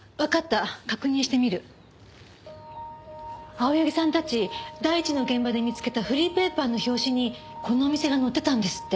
青柳さんたち第一の現場で見つけたフリーペーパーの表紙にこのお店が載ってたんですって。